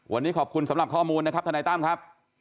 วันนี้ขอบคุณสำหรับข้อมูลนะครับทนายตั้มครับ